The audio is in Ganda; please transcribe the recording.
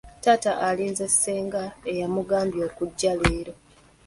Taata alinze ssenga eyamugambye okujja leero.